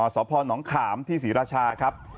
สพนขามที่ศรีราชาครับ